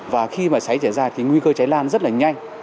và khi mà cháy xảy ra thì nguy cơ cháy lan rất là nhanh